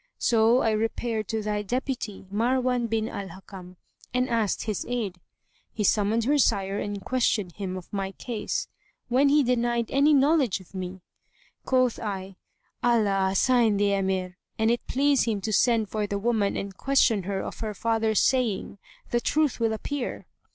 So I repaired to thy deputy, Marwan bin al Hakam, and asked his aid. He summoned her sire and questioned him of my case, when he denied any knowledge of me. Quoth I, 'Allah assain the Emir! An it please him to send for the woman and question her of her father's saying, the truth will appear.